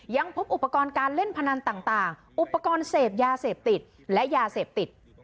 ยังพบอุปกรณ์การเล่นพนันต่างอุปกรณ์เสพยาเสพติดและยาเสพติด